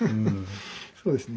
そうですね。